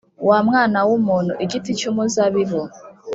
Mwana w’umuntu, igiti cy’umuzabibu